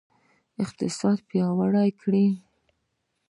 اقتصاد پیاوړی کړئ